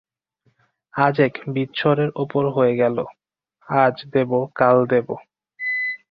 আজ এক বিচ্ছরের ওপর হয়ে গ্যালো, আজ দেবো কাল দেবো।